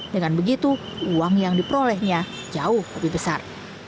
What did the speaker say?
dengan begitu uang yang diperolehnya jauh lebih besar